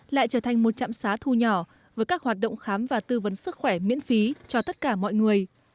lại trở thành một trạm xá thu nhỏ với các hoạt động khám và tư vấn sức khỏe miễn phí cho tất cả mọi người